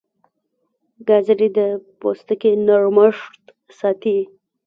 ګازرې د پوستکي نرمښت ساتي.